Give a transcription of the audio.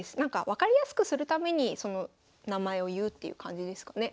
分かりやすくするためにその名前を言うっていう感じですかね。